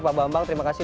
pak bambang terima kasih